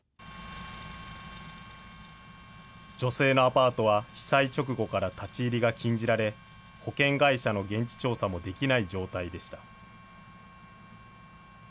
女性のアパートは被災直後から立ち入りが禁じられ、保険会社の現地調査もできない状態でした。